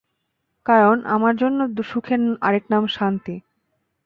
কারণ আমার জন্য সুখের আরেক নাম শান্তি।